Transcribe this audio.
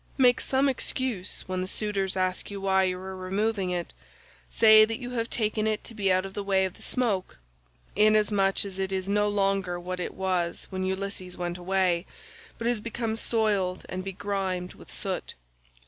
Make some excuse when the suitors ask you why you are removing it; say that you have taken it to be out of the way of the smoke, inasmuch as it is no longer what it was when Ulysses went away, but has become soiled and begrimed with soot.